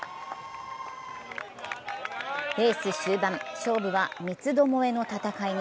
レース終盤、勝負は三つどもえの戦いに。